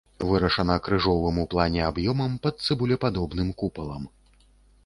Вырашана крыжовым у плане аб'ёмам пад цыбулепадобным купалам.